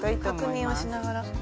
確認をしながら。